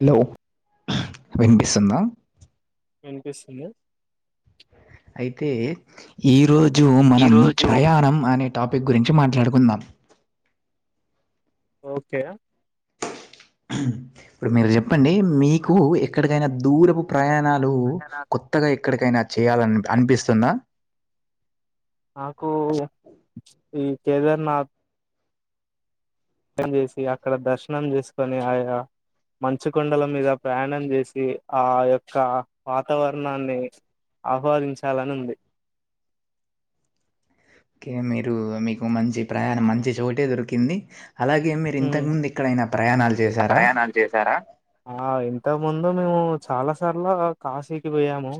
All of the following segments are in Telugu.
హలో వినిపిస్తుందా వినిపిస్తుంది. అయితే ఈరోజు ఈ మనం రోజు ప్రయాణం అనే టాపిక్ గురించి మాట్లాడుకుందాం ఓకే ఇప్పుడు మీరు చెప్పండి మీకు ఎక్కడికైనా దూరపు ప్రయాణాలు లు కొత్తగా ఎక్కడికైనా చేయాలని అనిపిస్తుందా నాకు ఈ కేదార్నాథ్ చేసి అక్కడ దర్శనం చేసుకొని ఆయా మంచు కొండల మీద ప్రయాణం చేసి ఆ యొక్క వాతావరణాన్ని ఆహ్వానించాలని ఉంది ఓకే మీరు మీకు మంచి ప్రయాణం మంచి చోటే దొరికింది అలాగే మీరు హ్మ్ ఇంతకుముందు ఇక్కడైనా ప్రయాణాలు చేశారా ఇంతముందు మేము చాలా సార్ల కాశీకి పోయాము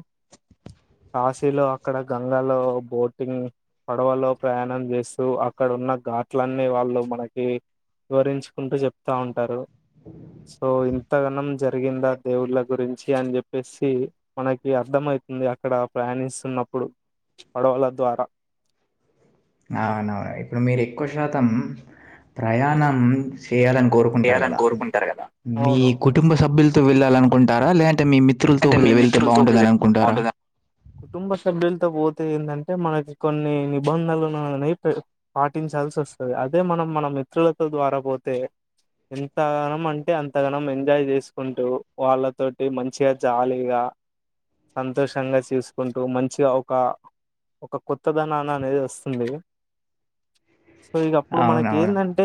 కాశీలో అక్కడ గంగాలో బోటింగ్ పడవలో ప్రయాణం చేస్తూ అక్కడ ఉన్న ఘాట్లన్నీ వాళ్ళు మనకీ వివరించుకుంటూ చెప్తా ఉంటారు సో ఇంతగానం జరిగిందా దేవుళ్ళ గురించి అని చెప్పేసి మనకి అర్థమయితుంది అ అక్కడ పయాణిస్తున్నప్పుడు పడవల ద్వారా అవును ఇప్పుడు మీరు ఎక్కువ శాతం ప్రయాణం చేయాలని కోరుకుంటారు చేయాలి కదా కదా మీ కుటుంబ సభ్యులు వెళ్ళాలి అనుకుంటారా లేదంటే మీ మిత్రులతో వెళ్తే బాగుంటుదని అనుకుంటారా కొ పోతే ఏందంటే మనకి కొన్ని నిబంధనలనుని పాటించాల్సి వస్తది అదే మనం మన మిత్రులతో ద్వారా పోతే ఎంతగానం అంటే అంతగానం ఎంజాయ్ చేసుకుంటూ వాళ్ళతోటి మం మంచిగ జాలీగా సంతోషంగా చూసుకుంటూ మంచిగా ఒక ఒక కొత్త దనాన అనేది వస్తుంది సో ఇగ అప్పుడు అవునవును. మనకేందంటే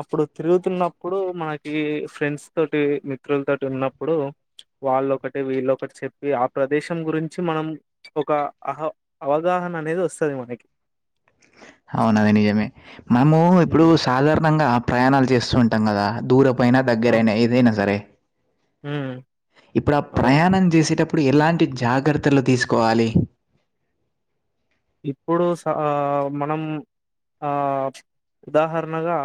అప్పుడు తిరుగుతున్నప్పుడు మనకి ఫ్రెండ్స్ తోటి మిత్రుల తోటి ఉన్నప్పుడు వాళ్ళొ ఒకటి వీళ్ళ ఒకటి చెప్పి ఆ ప్రదేశం గురించి మనం ఒక అహ అవగాహన అనేది వస్తది మనకి అవునది నిజమే మనము ఇప్పుడు హ్మ్ సాధారణంగా ప్రయాణాలు చేస్తూ ఉంటాం కదా దూరం పైన అ దగ్గరయినా ఏదైనా సరే హ్మ్ ఇప్పుడు ఆ అవును ప్రయాణం చేసేటప్పుడు ఎలాంటి జాగ్రత్ లు తీసుకోవాలి ఇప్పుడు స మనం ఆ ఉదాహరణగా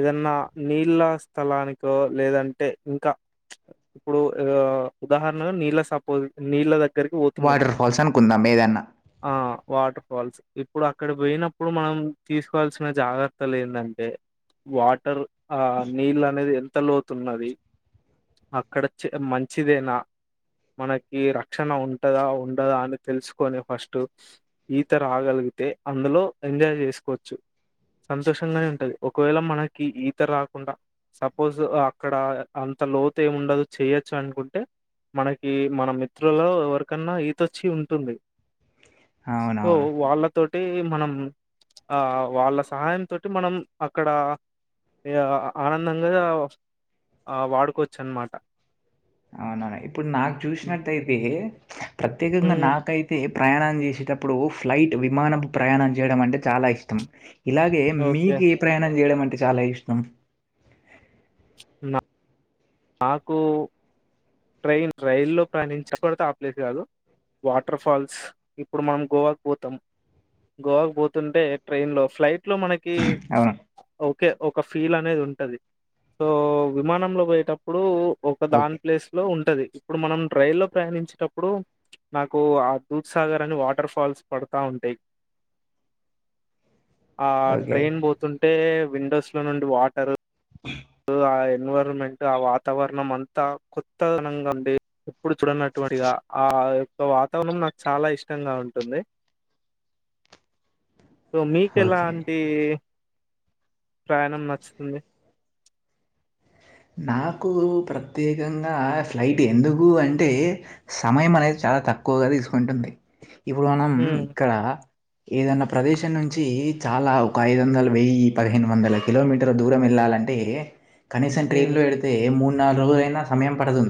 ఏదన్నా నీళ్ళ స్థలానికో లేదంటే ఇం ఇప్పుడు ఆ ఉదాహరణగా నీళ్ళ సపో నీళ్ళ దగ్గరికి పోతున్నాం వాటర్ ఫాల్స్ అనుకుందాం ఏదన్నా. ఆ వాటర్ ఫాల్స్ ఇప్పుడు అక్కడ పోయినప్పుడు మనం తీసుకోవాల్సిన జాగ్రత్తలు ఏందంటే వాటర్ ఆ నీళ్ళ అనేది ఎంత లోతున్నది అక్కడ చె మంచిదేనా మనకి రక్షణ ఉంటదా ఉండదా అని తెలుసుకొని ఫస్ట్ ఈత రాగలిగితే అందులో ఎంజాయ్ చేసుకోవచ్చు సంతోషంగానే ఉంటది ఒకవేళ మనకి ఈత రాకుండా సపోజ్ అక్కడ అన్ అంత లోతు ఏమి ఉండదు చేయొచ్చు అనుకుంటే మనకి మన మిత్రులో ఎవరికన్నా ఈతొచ్చి ఉంటుంది సో అవునవును. వాళ్ళక్ తోటి మనం ఆ వాళ్ళ సహాయం తోటి మనం అక్కడ ఆనందంగా ఆ వాడుకోవచ్చు అన్నమాట అవునవును. ఇప్పుడు నాకు చూసినట్టయితే ప్రత్యేకంగా హ్మ్. నాకైతే ప్రయాణం చేసేటప్పుడు ఫ్లైట్ విమానపు ప్రయాణం చేయడం అంటే చాలా ఇష్టం ఇలాగే ఓకే. మీకు ఏ ప్రయాణం చేయడం అంటే చాలా ఇష్టం నా నాకు ట్రైన్ రైల్లో ప్రయాణించకడితే ఆ ప్లేస్ కాదు వాటర్ ఫాల్స్ ఇప్పుడు మనం గోవాకు పోతాం గోవాకు పోతుంటే ట్రైన్ లో ఫ్లైట్ లో మనకి అవును. కి ఓకే ఒక ఫీల్ అనేది ఉంటది సో విమానంలో పోయేటప్ ఇప్పుడు ఒక దాని ఓకే. ప్లేస్ లో ఉంటది ఇప్పుడు మనం రైల్లో ప్రయాణించేటప్పుడు నాకు ఆ దూత్సాగర్ అని వాటర్ ఫాల్స్ పడతా ఉంటాయి. ఆ ఓకే. ట్రైన్ పోతుంటే విండోస్ లో నుండి వాటర్ ఆ ఎన్విరాన్మెంట్, ఆ వాతావరణం అంతా కొత్త నంగా ఉండి ఎప్పుడు చూడనట్టు ఓడి గా ఆ యొక్క వాతావరణం నాకు చాలా ఇష్టంగా ఉంటుంది. సో మీకు ఓకే. ఎలాంటి ప్రయాణం నచ్చుతుంది? నాకు ప్రత్యేకంగా స్లయిటి ఎందుకు అంటే సమయం అనేది చాలా తక్కువగా తీసుకుంటుంది ఇప్పుడు మనం ఉమ్ ఇక్కడ ఏదన్నా ప్రదేశం నుంచి చాలా ఒక ఐదు వందలు, వెయ్యి, పదిహేను వందల కిలోమీటర్ల దూరం వెళ్ళాలి. లడ్డే కనీసన్ ఉమ్ ట్రైన్లో పెడితే మూడు నాలుగు రోజులయినా సమయం పడదు.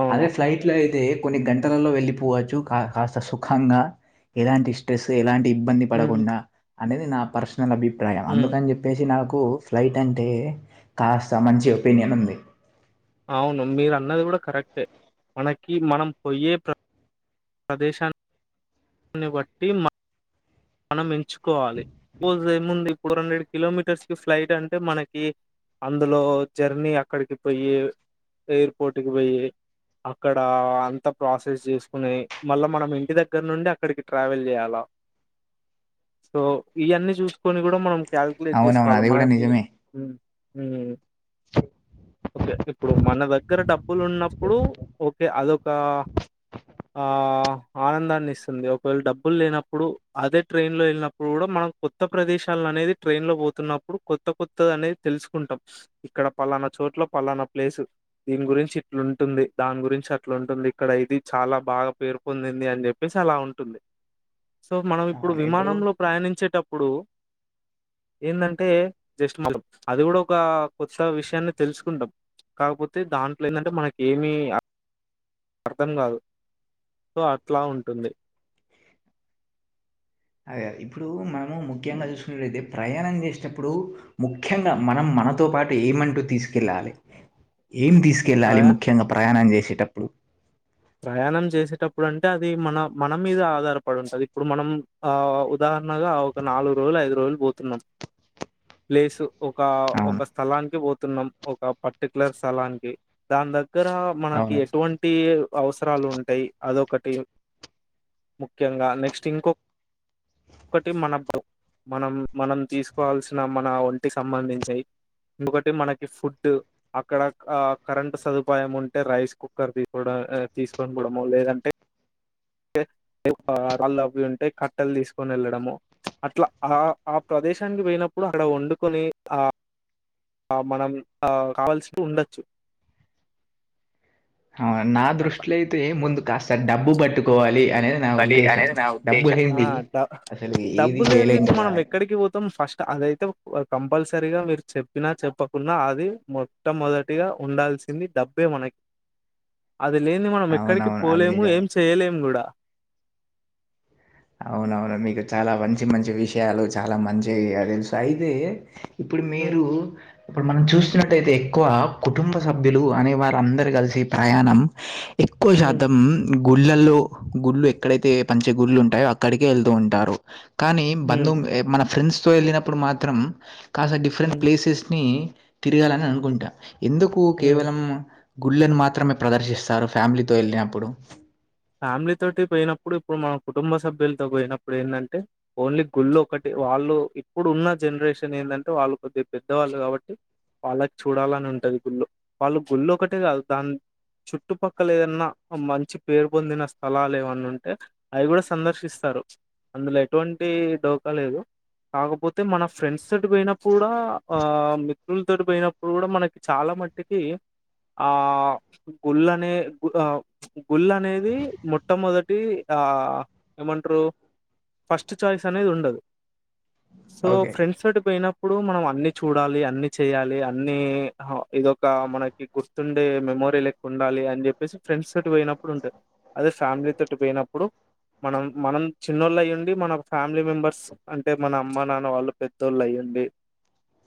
అవును అదే ఫ్లైట్లో అయితే కొన్ని గంటలలో వెళ్ళిపోవచ్చు కా కాస్త సుఖంగా ఎలాంటి స్ట్రెస్ ఎలాంటి ఇబ్బంది ఉమ్ పడకుండా అనేది నా పర్సనల్ అభిప్రాయం. ఉమ్ అందుకని చెప్పేసి నాకు పూ ఫ్లైట్ అంటే కాస్త మంచి ఒపీనియన్ ఉంది. అవును మీరు అన్నది కూడా కరెక్టే మనకి మనం పోయే ప్ర ప్రదేశాన్ ఉన్నే బట్టి మ మనం ఎంచుకోవాలి పోదేముంది. ఫూర్ హండ్రెడ్ కిలోమీటర్స్ కి ఫ్లైట్ అంటే మనకి అందులో జర్నీ అక్కడికి పోయి ఎయిర్పోర్ట్కి పోయి అక్కడ అంత ప్రాసెస్ చేసుకునే మళ్ళా మనం ఇంటి దగ్గర నుండి అ అక్కడికి ట్రావెల్ చేయాలా సో ఇవన్నీ చూసుకొని కూడా మనం కాలిక్యులేట్ అవునవును. చేసుకోవాలి అది గూడా మనకి నిజమే. మ్ ఓకే ఇప్పుడు మన దగ్గర డబ్బులు ఉన్నప్పుడు ఓకే అదొ ఒక ఆ ఆనందాన్ని ఇస్త ఉంది ఒకవేళ డబ్బులు లేనప్పుడు అదే ట్రైన్ లో వెళ్ళినప్పుడు కూడా మనం కొత్త ప్రదేశల్లో అనేది ట్రైన్ లో పో తున్నప్పుడు కొత్త కొత్త అనే తెలుసుకుంటాం ఇక్కడ పలానా చోట్ల పలానా ప్లేసు దీన్ గురించి ఇట్లాంటుంది, దాని గురించి అట్లాంటుంది ఇక్కడ ఇది చాలా బాగా పేరు పొందింది అని చెప్పే చాలా ఉంటుంది సో మనం ఇప్పుడు విమానంలో ప్రయాణించేటప్పుడు ఏందంటే జస్ట్ మనం అది కూడా ఒక కొత్త విషయాన్ని తెలుసుకుంటాం. కాకపోతే దాంట్లో ఏంటంటే మనక ఏమి అ అర్థం కాదు సో అట్లా ఉంటుంది. అదే అది ఇప్పుడు మనము ముఖ్యంగా చూసుకున్నట్యితే ప్రయాణం చేసేటప్పుడు ముఖ్యంగా మనం మనతో పాటు ఏమంటూ తీసుకెళ్ళాలి ఏం తీసుకెళ్ళాలి ప్రయా ముఖ్యంగా ప్రయాణం చేసేటప్పుడు ప్రయాణం చేసేటప్పుడు అంటే అది మన మన మీద ఆధారపడి ఉంటది. ఇప్పుడు మనం ఆ ఉదా హరణగా ఒక నాలుగు రోజులు, ఐదు రోజులు పోతున్నాం. ప్లేసు ఒక ఒక అవును. స్థలానికి పోతున్నాం. ఒక పర్టికులర్ స్థలానికి దాని ద గ్గర మనకి అవును. ఎటువంటి అవసరాలు ఉంటాయి అదొకటి ముఖ్యంగా నెక్స్ట్ ఇంకో ఒకటి మన మనం మనం తీసుకోవాల్సిన మన ఒంటికి సంబంధించియ్ ఇంకోకటి మనకి ఫుడ్ అక్కడ అ కరెంట్ సదుపాయం ఉంటే రైస్ కుక్కర్ తీసుకోవడం ఏ తీసుకొని పోవడమో లేదంటే ఎ ఏ ఆ ఆళ్ళు అవి ఉంటే కట్టెలు తీసుకొని వెళ్ళడము చ్ అట్లా ఆ ఆ ప్రదేశానికి పోయినప్పు ఇప్పుడు అక్కడ వండుకొని ఆ ఆ మనం ఆ కావాల్సి ఉండొచ్చు నా అట్లా దృష్టిలో అయితే ముందు కాస్త డబ్బు పట్టుకోవాలి అనేది నా ఉద్దేశం. డబ్బు ఆ లేనిది డ అసలు ఏది డబ్బులు ఏంది చేయలేం ఇప్పు కదా! మనం అని. ఎక్కడికి పోతాం ఫస్ట్ అదయితే కంపల్సరీగ మీరు చెప్పినా చెప్పకున్నా అది మొట్టమొదటిగ ఉండాల్సి సింది డబ్బే మనకి అది లేంది మనం ఎక్కడికి అవునవును. అది పోలేము నిజమే. ఏం చేయలేము గూడ అవునవును మీకు చాల మంచి మంచి విషయాలు చాల మంచి తెలుసు అయితే ఇప్పుడు ఉమ్ మీరు ఇప్పుడు మనం చూస్తున్నట్టయితే ఎక్కువ కుటుంబ సభ్యులు అనే వారు అందరు కలిసి ప్రయాణం ఎక్కువ ఉమ్ శాతం గుళ్ళల్లో గుళ్ళు ఎక్కడైతే పంచ గుళ్ళు ఉం అక్కడికి వెళ్తూ ఉంటారు కానీ బంధు ఉమ్ మన ఫ్రెండ్స్ తో వెళ్ళినప్పుడు మాత్రం కాస్త డిఫరెంట్ ఉమ్ ప్లేసెస్ని తిరగాలని అనుకుంటా ఎందుకు ఉమ్ కేవలం గుళ్ళలను మాత్రమే ప్రదర్శిస్తారు ఫ్యామిలీతో ఏళ్ళినప్పుడు ఫ్యామిలీ తోటి పోయినప్ ఇప్పుడు ఇప్పుడు మన కుటుంబ సభ్యులతో పోయినప్పుడు ఎందంటే ఓన్లీ గుళ్ళ ఒకటి వాళ్ళు ఇప్పుడు ఉన్న జనరేషన్ ఎందంటే వాళ్ళు కొద్దిగ పెద్దవాళ్ళు కాబట్టి వాళ్ళకి చూడాలని ఉంటది గుళ్ళు వాళ్ళు గుళ్ళు ఒకటే కాదు దాన్ చుట్టుపక్కల ఏదన్నా మంచి పేరు పొందిన స్థలాలు ఏవన్నా ఉంటే అవి కూడ సందర్శిస్తరు అందులో ఎటువంటి డోక లేదు కాకపోతే మన ఫ్రెండ్స్ తోటి పోయినప్పుడు కూడా ఆ మిత్రులతోటి పోయినప్పుడు కూడ మనకి చాల మట్టికి ఆ గుళ్ళనే ఆ ప్చ్ గుల్ అనేది మొట్టమొదటి ఆ ఏమంటారు ఫస్ట్ చాయిస్ అనేది ఉండదు సో ఓకే. ఫ్రెండ్స్ తోటి పోయిన ఇప్పుడు మనం అన్ని చూడాలి అన్ని చేయాలి అన్ని హా ఇదొక మనకి గుర్తుండే మే మోరీ లెక్కుండాలీ అని చెప్పేసి ఫ్రెండ్స్ తోటి పోయినప్పుడు ఉంటుంది అదే ఫ్యామిలీ తోటి పోయినప్పుడు మనం మనం చిన్నోళ్ళు అయ్యండి మన ఫ్యామిలీ మెంబర్స్ అంటే మన అమ్మ నాన్న వాళ్ళు పెద్దోళ్ళు అయ్యం డీ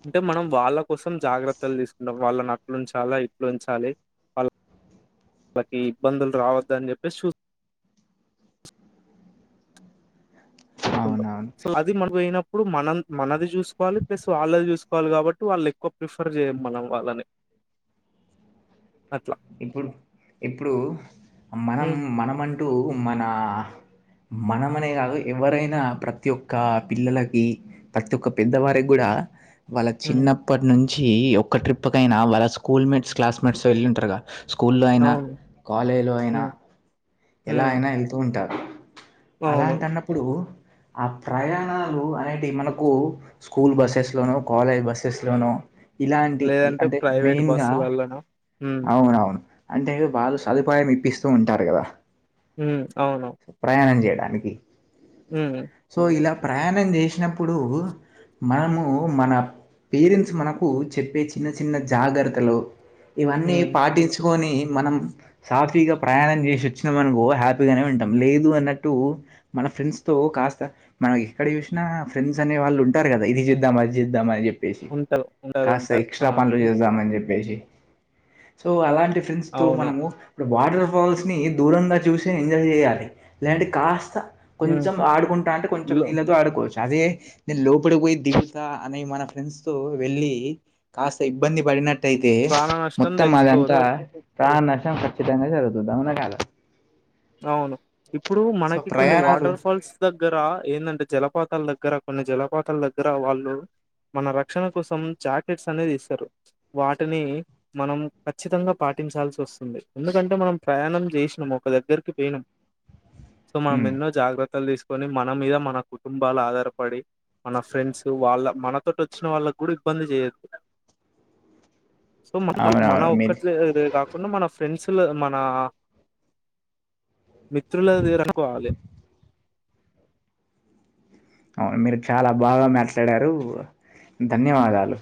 అంటే మనం వాళ్ళ కోసం జాగ్రత్తలు తీసుకుంటాం వాళ్ళని అట్ల ఉంచాల ఇట్ల ఉంచాలి వాల్ ళ్ళకి ఇబ్బందులు రావద్ద అని చెప్పేసి చూ కుంటం అవునవును. సో అది మనకు పోయినప్పుడు మనం మనది చూసుకోవాలి ప్లస్ వాళ్ళది చూసుకోవాలి కాబట్టి వాళ్ళు ఎక్కువ ప్రిఫర్ చేయం మనం వాళ్ళని అట్ల ఇప్పుడు ఇప్పుడు మనం హ్మ్ మనమంటూ మనా మనమనే కాదు ఎవరైనా ప్రతి ఒక్క పిల్లలకి ప్రతి ఒక్క పెద్దవారికి గుడ ఆ వాళ్ళ హ్మ్ చిన్నప్పటి నుంచి ఒక్క ట్రిప్కైనా వాళ్ళ స్కూల్ మేట్స్ క్లాస్మేట్స్ వెళ్ళి ఉంటారుగ స్కూల్లో అయిన అవును కాలేజీలో అయిన హ్మ్ ఎలా హ్మ్ అయిన వెళ్తూ ఉంటారు అవును అలాం టన్నప్పుడు ఆ ప్రయాణాలు అనేటివి మనకు స్కూల్ బస్సెస్ లోనో కాలేజ్ బస్సెస్ లోనో ఇలాంటి ఈ లేదంటే అంటే ప్రైవేట్ మెయిన్గా బస్సులల్లనా హ్మ్ అవునవును అంటే వాళ్ళు సదుపాయం ఇప్పిస్తూ ఉంటార్ గద ఊమ్ ఔను. దానికి సో ఇలా ప్రయాణం జేష్నప్పుడూ మనమూ మన పేరెంట్స్ మనకూ చెప్పే చిన్న చిన్న జాగర్తలు ఇవన్నీ హ్మ్ పాటించ్కోని మనం సాఫీగా ప్రయాణం జేష్ ష్నమన్కో హ్యాపిగనే ఉంటం లేదూ అన్నట్టూ మన ఫ్రెండ్తో కాస్త మనమెక్కడ జూష్న నా ఫ్రెండ్సనే వాళ్ళుంటార్ గద ఇది జిద్దాం అది జిద్దామన్ జెప్ పేసి ఉంటారు ఉంటారు కాస్త ఉంటారు ఆ ఎక్స్ట్రా పన్లు జేస్దామన్ జెప్ పోయి సో అలాంటి ఫ్రెండ్స్తో అవును మనము ఇప్పుడు వాటర్ ఫాల్స్ని దూరంగా చూషి ఎంజాయ్ జెయ్యాలి లేంటె కాస్త హ్మ్ కొంచం ఆడుకుంటా అంటె కొంచం లో నీళ్ళతొ ఆడుకోచ్చు అదే నేన్ లోపడ్ పొయ్ దిగుతా అనే మన ఫ్రెండ్స్తో వెళ్ళీ కాస్త ఇబ్బంది పడిన ట్టైతే ప్రాణ నష్టం మొత్తం అదంతా తెచ్చుకోవద్దు ప్రాణనష్టం ఖచ్చితంగా జరుగుతుద్ది ఔనా కాద ఔను ఇప్పుడూ సో మనకి కొన్ని ప్రయాణాలు వాటర్ ఫాల్స్ దగ్గర ఏందంటె జలపాతాల్ దగ్గర కొన్ని జలపాతాల్ దగ్గర వాళ్ళు మన రక్షణ కోసం జాకెట్సనేదిస్తరు వాటిని మనం ఖచ్చితంగ పాటి టించాల్సొస్తుంది ఎందుకంటె మనం ప్రయాణం జేష్నం ఒక దగ్గర్ కి పెయ్నం సొ హ్మ్. మనమెన్నో జాగ్రత్తల్ దీస్ కొని మన మీద మన కుటుంబాలాధారపడి మన ఫ్రెండ్స్ వాళ్ళ మనతోటొచ్చిన వాళ్ళకి గూడిబ్బ ఇబ్బంది జేయద్దు. సొ మన మన అవునవును. మీరు ఒక్కట్లేదే గాకుండ మన ఫ్రెండ్స్లు మనా మిత్రులది [unintelligible] అనుకోవాలి ఔను మీరు చాలా బాగా మ్యాట్లాడారూ ధన్యవాదాలు.